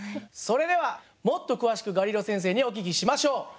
それではもっと詳しくガリレオ先生にお聞きしましょう。